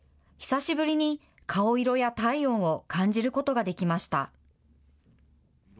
久しぶりに顔色や体温を感じることができました。